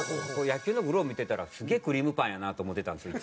野球のグローブ見てたらすげえクリームパンやなと思ってたんですよ